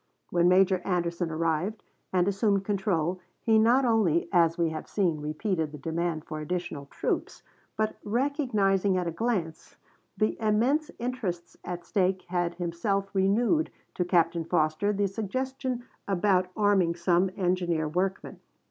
When Major Anderson arrived and assumed control he not only, as we have seen, repeated the demand for additional troops, but recognizing at a glance the immense interests at stake had himself renewed to Captain Foster the suggestion about arming some engineer workmen.